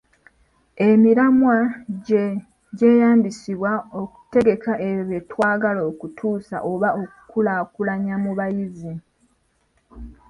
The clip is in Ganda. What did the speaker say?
Emiramwa gye gyeyambisibwa okutegeka ebyo bye twagala okutuusa oba okukulaakulanya mu bayizi.